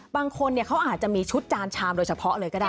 บางคนเขาอาจจะมีชุดจานชามโดยเฉพาะเลยก็ได้